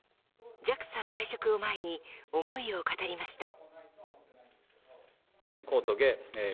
ＪＡＸＡ退職を前に思いを語りました。